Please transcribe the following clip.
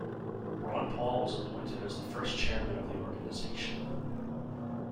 Ron Paul was appointed as the first chairman of the organization.